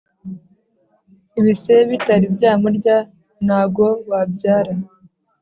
Ibise bitari byamurya nago wabyara